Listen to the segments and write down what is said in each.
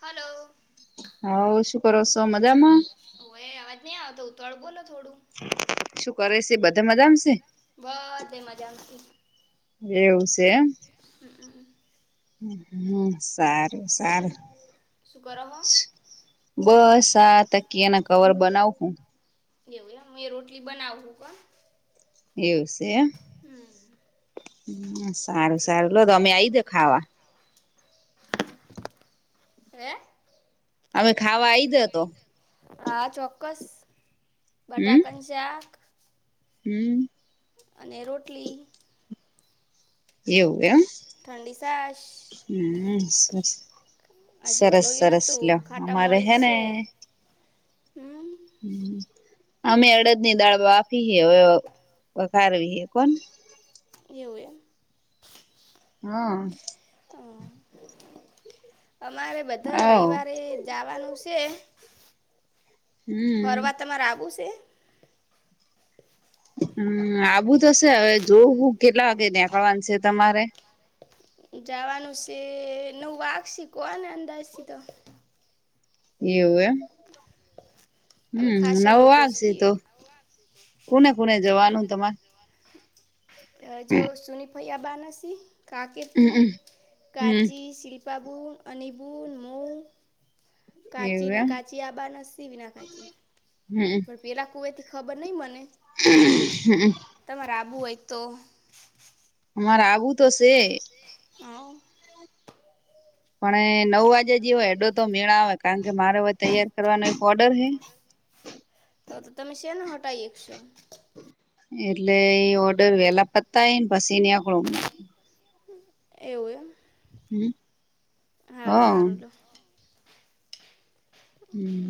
Hello હ શું કરો છો મજામાં ઓ એ અવાજ નહી આવતો ઉતળ બોલો થોડું શું કરે છે બધા મજામાં શે બધે મજામાં છે એવું છે. હમ. હમ, સારું સારું. શું કરો હો બસ આ તકીના કવર બનાવું હું. એવું એમ એ રોટલી બનાવવું કોણ. એવું છે. હમ. સારું સારું લો તો અમે આઈ જોવો ખાવા. હે અમે ખાવા આઈ દો તો હા ચોક્કસ બધા કંઈક જાક હમ્મ અને રોટલી એવું એમ ઠંડી સાસ હમ સર આજે સરસ વલોયું સરસ નતું લો ખાટા અમારે મોળી જ હેને છે હમ હમ અમે અડદની દાળ બાફી હવે વખારવી હે કોણ. એવું એ હા. હા અમારે બધા આવ રવિવારે જવાનું છે. હમ ફરવા તમારે આવું શે. હમ્મ આબુ તો શે હવે જોવ હું કેટલા વાગે નીકળવાનું છે તમારે જવાનું છે નવ વાગસી કોને અંદાજ સ તો એવું એમ અમે હમ્મ ખાસા નવ લોકો વાગશે છીએ તો કોને કોને જવાનું તમારે અ જો સુનીફૈયા બણસી કાકતી હમ હમ કાચી શિલ્પી બાબુ અનબુલ મૌ કાચી એવું ને એમ કાચી આ બા ના વિના કાચી હમ પણ પેરા કુવે થી ખબર નહ મને હમ્મ તમારે આબું હોય તો અમાર આવબું તોશે હ પણ નવ વાજે જે હોય એડો તો મેળ આવે કારણ કે મારે હવે તૈયાર કરવાનો એક ઓર્ડર હે તો તો તમે શેને હટાવ ઈ એક છો એટલે ઓર્ડર વેલા પતાઈ ને પસી નિયાક ળો બા એવું એમ સારું હા સારું લો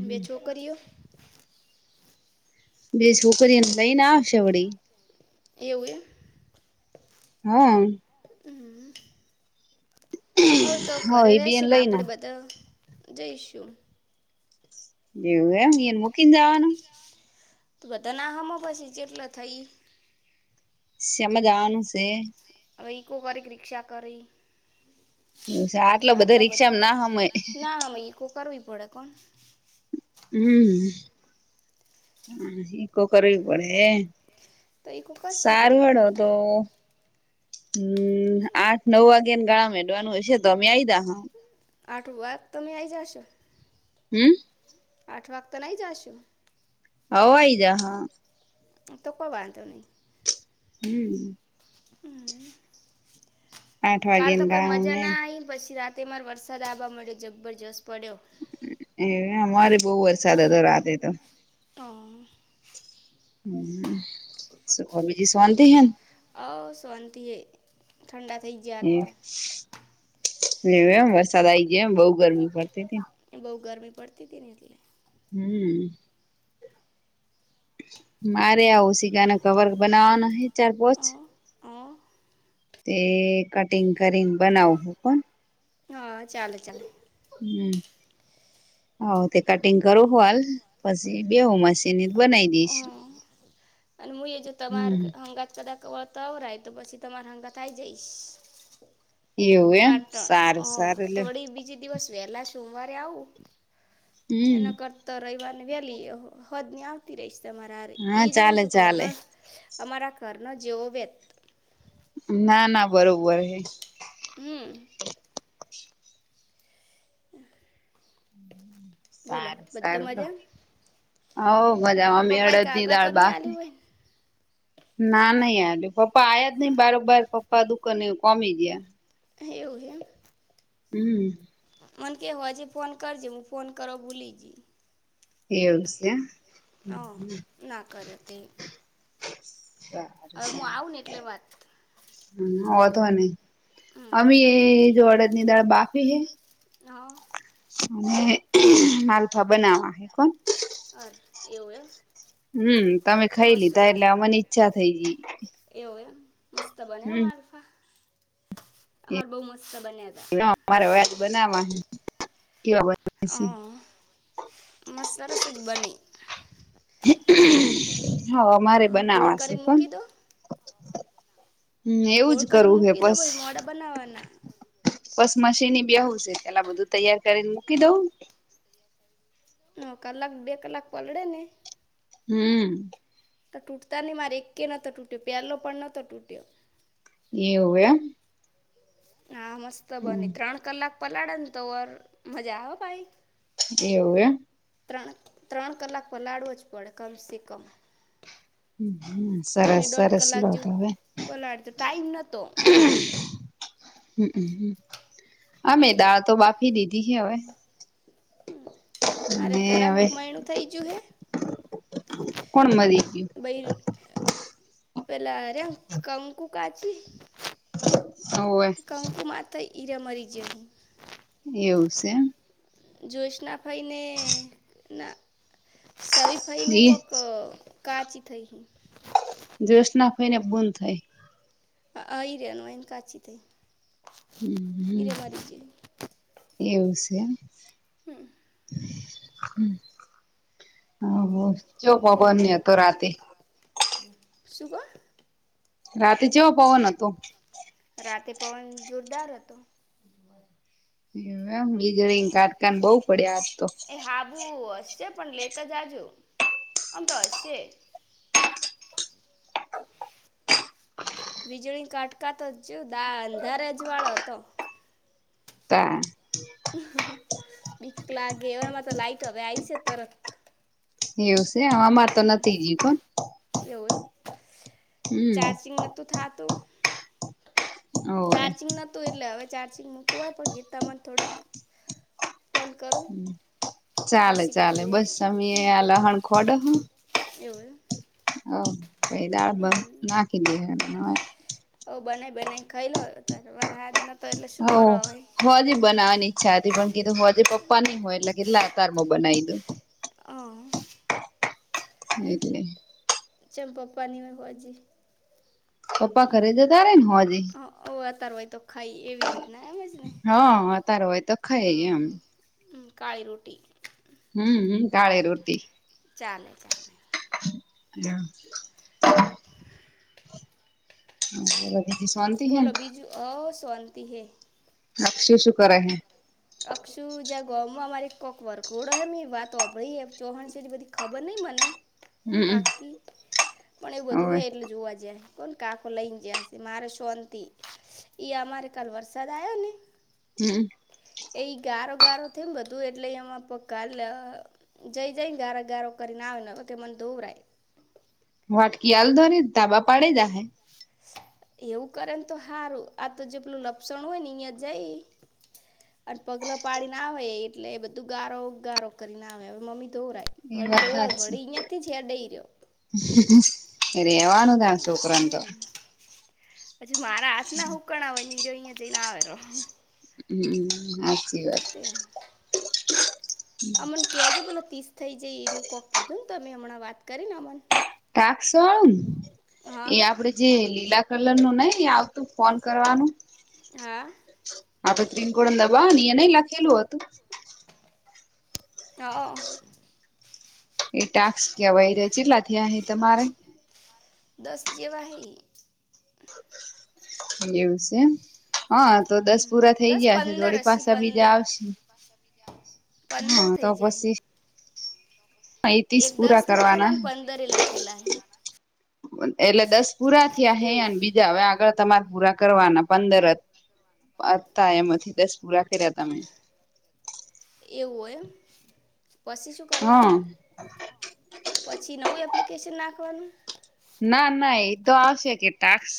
બે છોકરીયો બે છોકરીને લઈને આવશે વડી એવું એમ હા હમ્મ હવે તો હ ઘરે એ બેન રહેશે ને લઈને આપણે બધા જઈશું એવું એમ મુકી જવાનું બધા ના હમાં પછી જેટલા થઈ શેમાં જવાનું સે હવે ઇકો વારી ઈક રિક્ષા કરી આટલો બધો આટલા બધા રિક્ષામાં ના રિક્ષા હમય માં ના આમાં ઇકો કરવી પડે કોણ હમ્મ હ ઇકો કરવી પડે તો ઈકો કરશે સાર ભરી વળોતો હમ આઠ નવ વાગ્યા ન ગાળા હેડવાનું હયશે તો અમે આઈ જા હા. આઠ વાગ તમે આયી જશો? હમ. આઠ વાગ કાલ આયી જાસો. અવાય જાહ. તો કો વાંધો નઈ. હમ. હમ. આઠ કાલ તો વાગ્યાના કોઈ ગાળામાં મજાના આવી પછી રાતે માર વરસાદ આવા મળ્યો જબરજસ્ત પડ્યો. એ અમારે બઉ વરસાદ હતો રાતે તો. હ. સુ કો બીજી સોનતી હૈંન? અવ સોન્તી હે. ઠંડા થઈ ગ્યા. એવું એવું એમ વરસાદ આ ગાય એમ બઉ ગરમી પડતી હતી. બહુ ગરમી પડતી તીન એટલે. હમ. મારે આ ઓશિકાના કવર બનાવાનો હે ચાર પોચ. હ હ તે કટિંગ કરીન બનાવું હો. હ ચાલે ચાલે. હમ, હ તે કટિંગ કરો હું હાલ. પછી બેહો મશીન એ બનાઇ દઇશ. અન હું એ જો તમાર હંગાત કદાચ વળતા આવરાય તો પછી તમારે હંગાત આઈ જઈશ. એવું એમ પાટણ સારું અ સારું લ્યો થોડી બીચ બીજે દિવસ વહેલા સોમવારે આવું હમ એના કરતા. તો રવિવારને વેલી અહ હોજની આવતી રહીશ તમારેરે હા ઈ જોવું ચાલે છું ચાલે કરણ. અમારા ઘરનો જેવો વ્ય ના ના બરોબર એજ. હમ. બોલો બધ મજા? હા હો મજામાં મે પપ્પાએ અડદ ની કાગળ તો દાળ નહી બાફે. આલ્યું ના ના યાર પપ્પા આયા જ નઈ બારબર પપ્પા દુકને કોમી ગયા. એવું એમ. હમ. મન કે હોજે ફોન કર જે હું ફોન કરો ભૂલી જજી. એવું છે એમ. હ ના કરે તો. આવું ને એટલે વાત ના ઓઘો નઈ. હમ અમે એ જો અડદ ની દાળ બાફી હે. હા. અને માલફા બનાવા હે કોણ. અરે એવું એમ. હમ તમે ચા ખાઈ મસ્ત લીધા બને એટલે અમન ઈચ્છા થઈ ગઈ. એવું એમ મસ્ત બને અ હમ મારફા, અમાર બહુ મસ્ત બન્યા હતા. હ મારે વાજ બનાવા એવા બ હ, મસા સરસ જ બને. હા અમારે ગોળ બનાવાશે કરીને ખો. મૂકી દો હમ એવું જ ગોળ કરીને કરવું હ મૂકી દો પસ. ભાઈ મોડા બનાવવાના બસ મશીની બ બેવું છે પેલા બધું તૈયાર કરીને મૂકી દવું. હ કલાક બે કલાક પલડે ને. હમ તો તૂટતા ની મારે એકે નતો તૂટ્યો પેલો પણ નતો તૂટ્યો. એવું એમ હા મસ્ત બને હમ ત્રણ કલાક પલાળે ને તો ઓર મજા આવે હો ભાઈ એવું એમ ત્રણ ત્રણ કલાક પલાડવો જ પડે કમસેકમ. હમ હમ સરસ મેં દોઢ સરસ કલાક લો તો જેવું હવે પલાળ્યું તો ટાઈમ નહોતો હમ અ અમે એટલે દાળ તો બાફી દીધી હે હવે હમ અરે અને થરામ હવે એક મહિણું થઇ જ્યું હે? કોણ મરી ગયું? બઈ પેલા આ રયા કંકુ કાચી હોવે કંકુમાં તો ઈ રયા મરી જ્યાં હે. એવું સે એમ. જોશના ફઈને ના સવી ફઈને એ કોક કાચી થઇ હી. જોશ નાખઈ ને બૂંદ થાય. હઅ ઈ રહનું એન કાચી દહીં હમ હમ એવું સે એમ હમ હમ હહ બોલ ચેવો પવને હતો રાતે? હમ શું કો? રાતે ચેવો પવન હતો? રાતે પવન જોરદાર હતો. એવું એમ મેજરિંગ કાટકાન બહુ પડ્યા આજ તો. ઉ હશે પણ લેતા જાજો ઓમ તો હશે જ. વીજળીન કાટકા તો ચેવું દા અંધારે અજવાળે હતો. તા બીક લાગે એવામાં તો લાઈટ હવે આઈ સે તરત. એવું સે અમારે તો નથી ગી કોન એવું એમ હમ ચાર્જિંગ નતું થાતું? હોવે ચાર્જિંગ નતું એટલે હવે ચાર્જિંગ મૂકવા પણ ગીતમાંને થોડુંક ફોન કરું. ચાલે પછી ચાલે કીધું બસ અમે આ લહણ ખોડહ એવું એમ હોવ પહિ દાળ બાડ નાખી દે હહ ઓવ બનાઈ બનાઈ ને ખઈલો હવે અતાર હવાર હાજ નથ હોવ હું હજી બનાવાની. ખ્યાતિ પણ કીધું હોજે પપ્પા ની હોય એટલે કેટલા અતારમાં બનાવી દઉં. હં એટલે ચેમ પપ્પા ની હોય હોજે? પપ્પા ઘરે જે તારે ને હોજે. હહ હવે અતાર હોય તો ખઈ એવી રીતના એમજ ને હહ અતાર હોય તો ખઈએ હહ હમ કાળી રોટી હમ હમ કાળી રોટી ચાલે ચાલે હહ બરો બોલો બીજું હોવ સોંતિ હૈ. અક્ષી શુ કરે હે? અક્ષુ જ્યાં ગોમમાં અમારી કોક વરઘોડો એમ એ વાત હોંભડી હે ચૌહાણ શે બધી ખબર નહીં મને. હમ પાકી પણ એવું બધું હવે હે એટલે જોવા જ્યાં હે. કોણ કાકો લઈને જયાશે મારે શોંતિ એ અમારે કાલ વરસાદ આયો ને હમ. એ ગારો ગારો થયું ને બધું એટલે એમાં પકાલા જઈ જઈ ગાર ગારો કરીને આવે ને વ કે મને ધોવરાય. વાટકી આલદોને ધાબા પાડેય જાહે. એવું કરે ને તો હારું આ તો જેટલું લપસણ હોય ને અહિયાં જાય અને પગલા પાડીને આવે એટલે બધું ગારો ગારો કરીને આવે હવે મમ્મી ધોવરાય. એ વડી ત વાત તોરા વડી કયાંથી ત્યા દઈદ્યો. રહેેવાનું ક્યા છોકરાને તો. હમ કણા બની રહ્યો જઈ ને આવેરો. હમ હાચી વાત. તેમ અમન ક્યાં છે ભોલો ત્રીસ થઈ જાય એરું કોક કીધું ને તો તમે હમણાં વાત કરીને અમન. ટાકસો ન હા એ આપડે જે લીલા કલર નું નય આવતું ફોન કરવાનું. હા. આપળે ત્રીકળ દબાવેને એનેય લખેલું હતું. હા. એ ટાસ કેવાય ચેટલા થીયા હે તમારે. દસ જેવાહે એવું છે એમ હા તો દસ પૂરા થઈ દસ ગયાશે પંદર વડી હશે પાસા બીજા પંદર આવશે. પંદર હા થઈ જાય. અહીં તીશ એક પૂરા દસ કરવાના. લખેલા ને પંદરે લખેલા હે એટલે દસ પૂરા થયા એવું હેને બીજા હવે આગળ તમારે પૂરા કરવાના પંદર જ. અ હતા એમથી દસ પૂરા કર્યા તમે. એવું હોય એમ પછી શું હા કરવાનું. પછી નવું એપ્લિકેશન નાખવાનું. ના ના એતો આવશે કે ટાકસ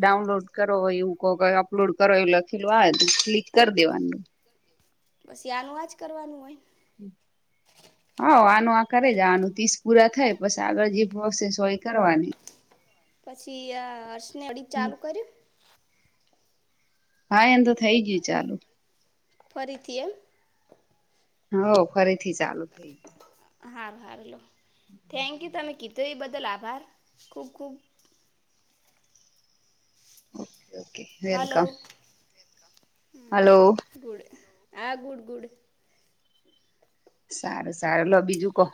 ડાઉનલોડ કરો એવું કો કે. અપલોડ કરો એવું લખેલું આવે તો ક્લિક કરી દેવાનું. બસ આનું આજ કરવાનું હોય. હ. હઉ આનું આ કરે જ આનું તીસ પૂરા થાય પછી આગળ જે પ્રોસેસ હોય એ કરવાની. પછી આ હર્સને અડી ચાલુ કર્યું. ભાઈ એમ તો થઈ ગયું ચાલુ. ફરીથી એમ. હવ ફરીથી ચાલુ થઇ ગયું. હાર હારુ લો થેન્ક યુ તમે કીધું એ બદલ આભાર ખૂબ ખૂબ ઓકે ઓકે હલો વેલકમ હમ હલો ગુડ હા ગુડ ગુડ. સારું સારું લો બીજું કો.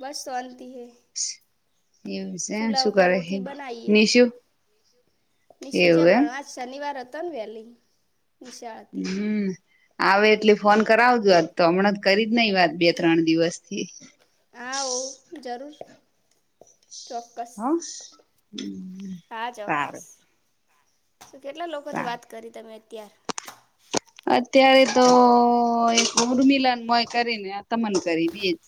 બસ શોંતિ હૈ. [inaudible] એમ શે શું કરે રોટલી બનાવીએ મીશું નિશુ એવું જ્યાં એમ. ભણવા શનિવાર હતો ન વહેલી નિશાળ હતી. હમ આવે એટલે ફોન કરાવજો આજ તો હમણાં તો કરી જ નઈ વાત બે ત્રણ દિવસ થી. આવો જરૂર. ચોક્કસ હ હા ચોક્કસ. સારું તો કેટલા લોકો થી સારું વાત કરી તમે અત્યાર. અત્યારે તો એક ઉર્મિલાન મોય કરીને તમને કરી બેજ.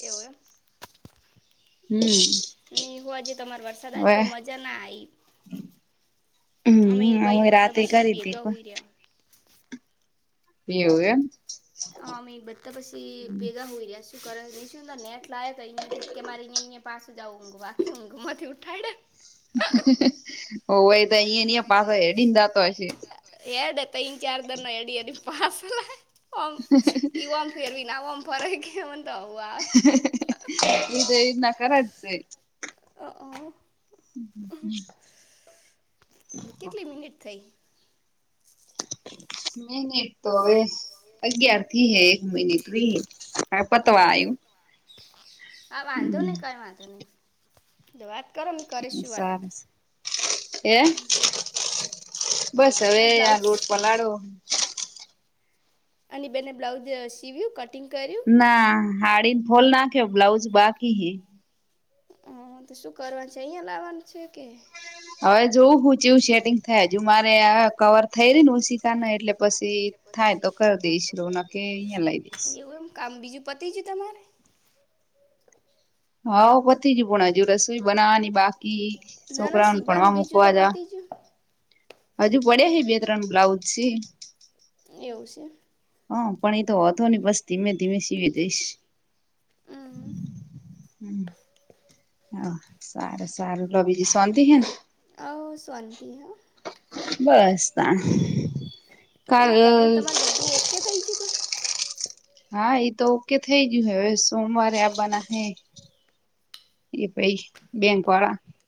એવું એમ. હમ. નીવ આજ તમારે વરસાદ આયો હવે તો મજા ના આઈ. અમે હમ બઈને બધા રાતે પછી કરી હતી ભેગા પણ હોય રહ્યા એવું એમ હ અમે બધા પછી ભેગા હોય રહ્યા છ નેટ લા તો થી કે મારે પાછું જવ ઊંઘું આખી ઊંઘુંમાં ઉઠાયડે ઓય તો ઈ ન પાસે એડી દ તો હશે હેદ ત ઇન ચાર દ ન એે એની પામવામ ફેર વિ નામમ ફડે કે મ એે ન કરત છેે. અ અ હ હ હમ કેટલી મિનિટ થઈ મીનીટ તોવે અગિયાર થી હે એક મિનિટ ર હ પતવા હા આવું હા વાંધો નહી કર વાંધાની તો વાત કરો મ સારું કે બસ હવે આ યાર બ્લાઉઝ લોટ પલાડો અને બેને બ્લાઉઝ સીવ્યું કટિંગ કર્યું ના હાડીને ફોલ નાખે બ્લાઉજ બાકી હે હા તો શું કરવાનું છે અહીયાયા લાવવાનું છે કે હવે જોવું હું છેવું સેટિંગ થાય હજુ મારે કવર થઈ ર ને ઉશીતા ન એટલે પછી એ થાય તો પછી કરી થાય દઈશ તો રો ન કરી કે દઈશ અહિયાં લઈ દઈશ એવું એમ કામ બીજું પતીજ તમારે હા પતિ જ પણ હજુ રસોઈ બનાવાની બાકી છોકરાઓને ભણવા મુકવા જાવા બજ હજુ પડ્યા હ બે ત્રણ બ્લાઉઝ છે એવું છે. હા પણ એતો હતો ને બસ ધીમે ધીમે સીવે જઈશ હમ હમ હ સારું સારું લો બીજી સોતી હેને હ સોતી હાં બસ તા પેલા કરનું તમારે બધું ઓકે થઈ છે ત હા એ તો ઓકે થઈ ગયું હવે સોમવારે આવવાના હ એ ભાઈ બેંક વાળા